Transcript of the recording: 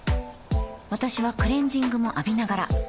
私はクレジングも浴びながら